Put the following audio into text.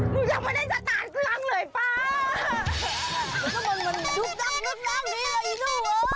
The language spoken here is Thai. มันยังไม่ได้สตาร์ตครั้งเลยป๊า